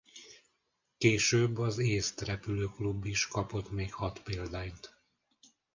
Később az Észt Repülőklub is kapott még hat példányt.